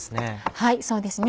はいそうですね。